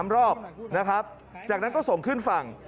๓รอบนะครับจากนั้นก็ส่งขึ้นฝั่ง